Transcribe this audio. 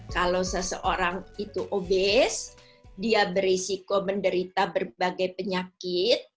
kalau seseorang itu obes dia berisiko menderita berbagai penyakit